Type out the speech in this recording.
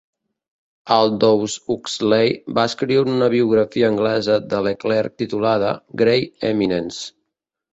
Aldous Huxley va escriure una biografia anglesa de Leclerc titulada "Grey Eminence".